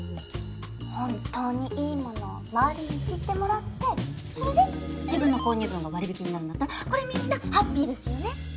本当にいいものを周りに知ってもらってそれで自分の購入分が割引になるんだったらこれみんなハッピーですよね！